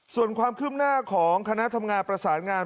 ส่วนความคืบหน้าของคณะทำงานประสานงาน